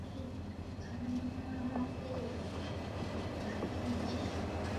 তিনি এই ছবিতেও সংলাপ রচনার জন্য চুক্তিবদ্ধ হন।